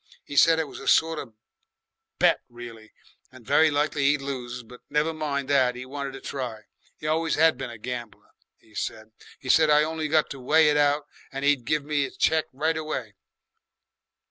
'E said it was a sort of bet reely, and very likely 'e'd lose; but never mind that, 'e wanted to try. 'E always 'ad been a gambler, 'e said. 'E said I'd only got to weigh it out and 'e'd give me 'is cheque right away.